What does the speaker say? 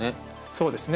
そうですね。